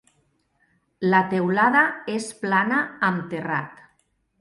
La teulada és plana amb terrat.